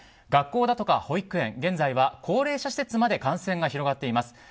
学校だとか保育園現在は高齢者施設まで感染が広がっています。